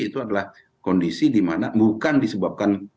itu adalah kondisi di mana bukan disebabkan